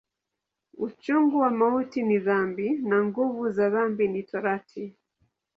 Uchungu wa mauti ni dhambi, na nguvu za dhambi ni Torati.